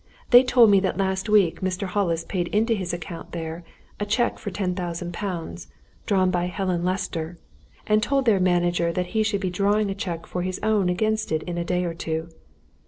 They told me that last week Mr. Hollis paid into his account there a cheque for ten thousand pounds, drawn by Helen Lester, and told their manager that he should be drawing a cheque for his own against it in a day or two.